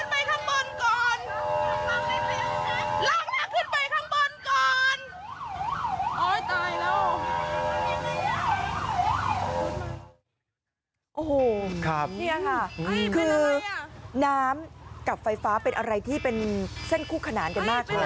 พี่ป้องหัวใจน้องได้ไหมคะตัวเองรักช่วยพี่เขาสิรักช่วย